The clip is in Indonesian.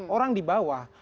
orang di bawah